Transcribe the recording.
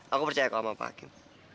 aku percaya kamu sama pak kim